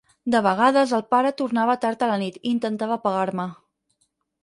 De vegades el pare tornava tard a la nit i intentava pegar-me.